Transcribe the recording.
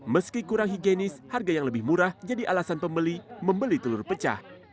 meski kurang higienis harga yang lebih murah jadi alasan pembeli membeli telur pecah